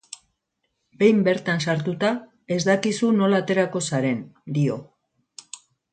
Behin bertan sartuta, ez dakizu nola aterako zaren, dio.